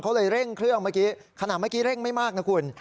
เขาเลยเร่งเครื่องเมื่อกี้ขณะเมื่อกี้เร่งไม่มากนะคุณ